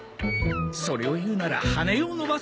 それを言うなら「羽を伸ばす」じゃ？